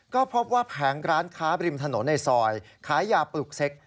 ก็พบว่าแผงร้านค้าบริมถนนในซอยขายยาปลูกเซ็ก